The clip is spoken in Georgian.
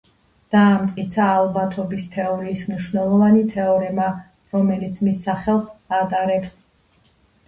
დაამტკიცა ალბათობის თეორიის მნიშვნელოვანი თეორემა, რომელიც მის სახელს ატარებს.